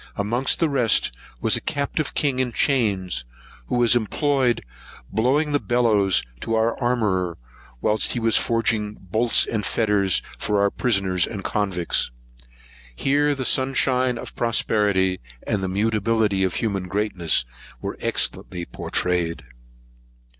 Amongst the rest was a captive king in chains, who was employed blowing the bellows to our armourer, whilst he was forging bolts and fetters for our prisoners and convicts. Here the sunshine of prosperity, and the mutability of human greatness, were excellently pourtrayed.